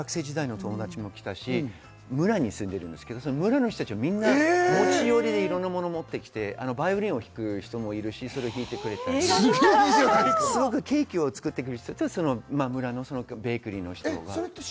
兄弟も来たし学生時代の友達も来たし、村に住んでいるんですけど、村の人たちもみんな持ち寄りでいろんなものを持ってきて、バイオリンを弾く人もいるし、すごくケーキを作ってくれる人たちは村のベーカリーの人とか。